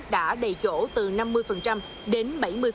đã đầy chỗ từ năm mươi đến bảy mươi